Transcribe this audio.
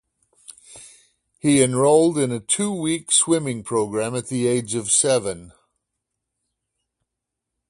He enrolled in a two-week swimming program at the age of seven.